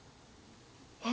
え？